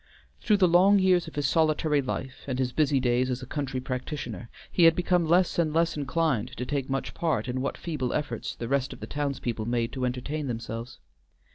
Through the long years of his solitary life, and his busy days as a country practitioner, he had become less and less inclined to take much part in what feeble efforts the rest of the townspeople made to entertain themselves.